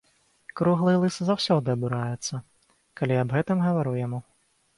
Круглы і лысы заўсёды абураецца, калі я аб гэтым гавару яму.